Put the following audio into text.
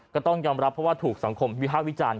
ก็ต้องยอมรับเพราะว่าถูกสังคมวิภาควิจารณ์